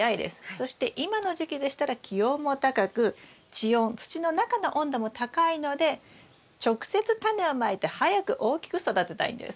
そして今の時期でしたら気温も高く地温土の中の温度も高いので直接タネをまいて早く大きく育てたいんです。